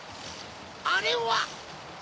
あれは！